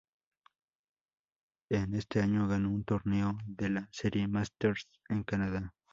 En este año ganó un torneo de la Serie Masters en Canadá.